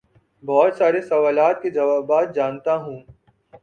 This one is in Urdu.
بہت سارے سوالات کے جوابات جانتا ہوں